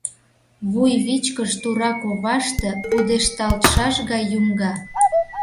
Вуйвичкыж тура коваште пудешталтшаш гай юҥга.